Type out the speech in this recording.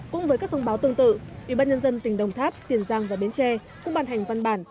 cũng với các thông báo tương tự ủy ban nhân dân tỉnh đồng tháp tiền giang và biến tre cũng bàn hành văn bản